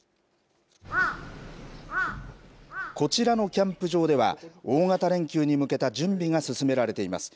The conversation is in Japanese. こちらのキャンプ場では大型連休に向けた準備が進められています。